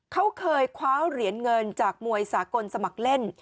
เขาเคยคว้าเหรียญเงินจากมวยสากลสมัครเล่น